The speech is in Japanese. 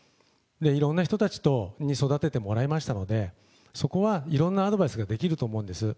いろんな人たちに育ててもらいましたので、そこはいろんなアドバイスができると思うんです。